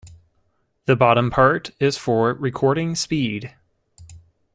The bottom part is for recording speed.